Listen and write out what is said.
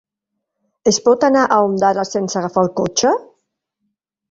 Es pot anar a Ondara sense agafar el cotxe?